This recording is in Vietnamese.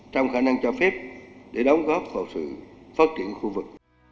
trong khả năng cho phép để đóng góp vào sự phát triển của khu vực